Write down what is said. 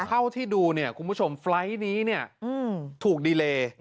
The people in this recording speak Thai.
เท่าที่ดูเนี่ยคุณผู้ชมไฟล์ทนี้ถูกดีเล